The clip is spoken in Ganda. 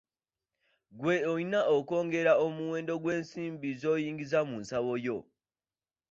Gwe oyina okwongera omuwendo gw'ensimbi z'oyingiza mu nsawo yo.